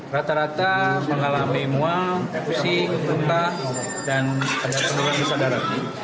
rata rata mengalami muam fusi kebunta dan penuhan bisa darah